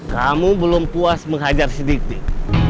kamu belum puas menghajar si dik dik